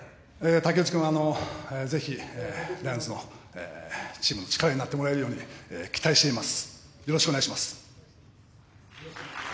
武内君、是非、ライオンズのチームの力になってくれるよう期待しています。